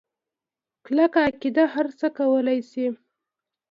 کلکه عقیده هرڅه کولی شي.